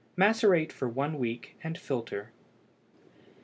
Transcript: Macerate for one week, and filter.